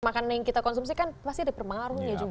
makanan yang kita konsumsi kan pasti ada permaruhnya juga untuk anak